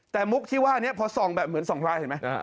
แต่มุกที่ว่านี้พอส่องแบบเหมือนส่องลายเห็นไหม